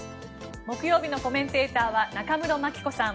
木曜日のコメンテーターは中室牧子さん